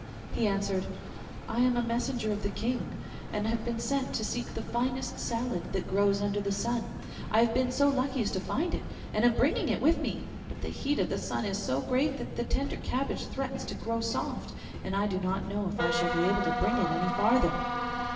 He answered, 'I am a messenger of the King, and have been sent to seek the finest salad that grows under the sun. I have been so lucky as to find it, and am bringing it with me; but the heat of the sun is so great that the tender cabbage threatens to grow soft, and I do not know if I shall be able to bring it any farther.